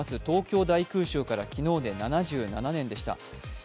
東京都大空襲から昨日で７７年でした。